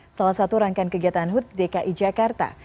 salah satu rangkaian kegiatan hut dki jakarta